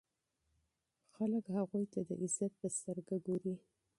خلک هغوی ته د عزت په سترګه ګوري.